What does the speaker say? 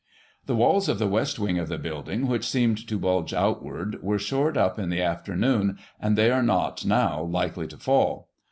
" The walls of the west wing of the building, which seemed to bulge outward, were shored up in the afternoon, and they are not, now, likely to fall.